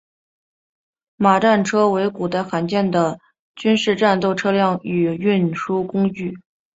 马战车为古代常见的军事战斗车辆与运输工具。